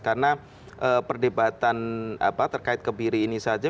karena perdebatan terkait kebiri ini saja